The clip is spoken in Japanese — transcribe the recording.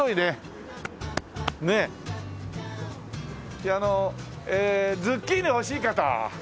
であのズッキーニ欲しい方？